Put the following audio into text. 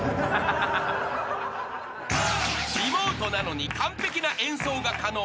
［リモートなのに完璧な演奏が可能］